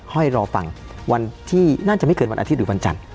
ให้รอฟังวันที่น่าจะไม่เกินวันอาทิตย์หรือวันจันทร์